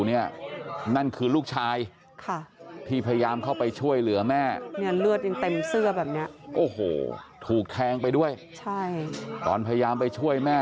นั่นคือลูกชายที่พยายามเข้าไปช่วยเหลือแม่โอ้โหถูกแทงไปด้วยตอนพยายามไปช่วยแม่